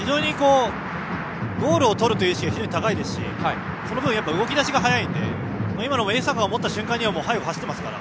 ゴールをとるという意識が非常に高いですしその分、動き出しが早いので今のも江坂が持った瞬間に背後を走っていましたから。